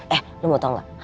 eh lo mau tau gak